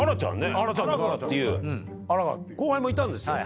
荒賀っていう後輩もいたんですよ。